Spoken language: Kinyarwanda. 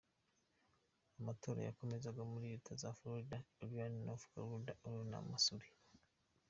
Amatora yakomezaga muri leta za Florida, Illinois, North Carolina, Ohio na Missouri.